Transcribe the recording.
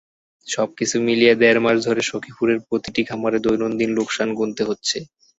সবকিছু মিলিয়ে দেড় মাস ধরে সখীপুরের প্রতিটি খামারে দৈনন্দিন লোকসান গুনতে হচ্ছে।